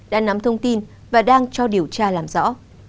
đã nắm thông tin và đang cho điều tra làm rõ